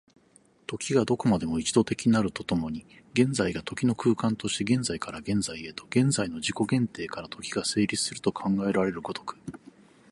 時がどこまでも一度的なると共に、現在が時の空間として、現在から現在へと、現在の自己限定から時が成立すると考えられる如く、